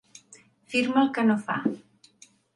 Firma el que no fa.